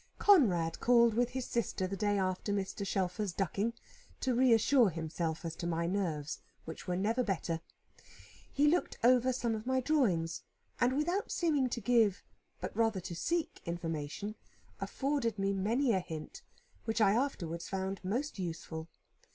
Conrad called with his sister the day after Mr. Shelfer's ducking, to reassure himself as to my nerves, which were never better. He looked over some of my drawings, and without seeming to give, but rather to seek information, afforded me many a hint, which I afterwards found most useful.